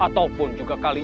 ataupun juga kalian